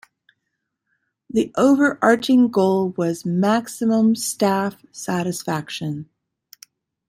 The overarching goal was maximum staff satisfaction.